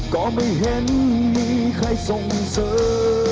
ก็ไม่เห็นมีใครส่งเสิร์ฟ